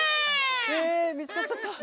えみつかっちゃった。